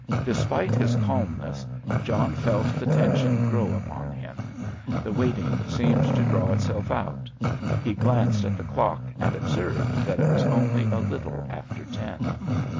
Despite his calmness, John felt the tension grow upon him; the waiting seemed to draw itself out. He glanced at the clock, and observed that it was only a little after ten.